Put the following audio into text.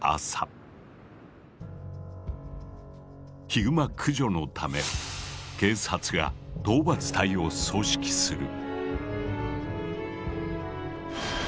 ヒグマ駆除のため警察が討伐隊を総指揮する。